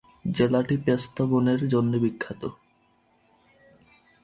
জেলাটি পেস্তা বনের জন্যে বিখ্যাত।